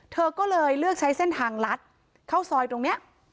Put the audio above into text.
เธอก็เลยเลือกใช้เส้นทางลัดเข้าซอยตรงนี้